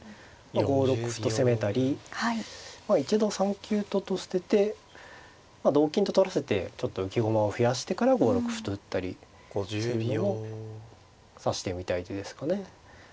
５六歩と攻めたり一度３九とと捨てて同金と取らせてちょっと浮き駒を増やしてから５六歩と打ったりするのも指してみたい手ですかね。